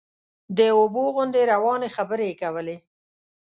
د اوبو غوندې روانې خبرې یې کولې.